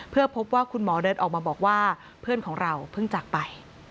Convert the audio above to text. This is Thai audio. เพื่อพบว่าคุณหมอเดินออกมาบอกว่าเพื่อนของเราเพิ่งจากไป